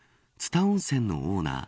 温泉のオーナー